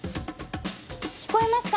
聞こえますか？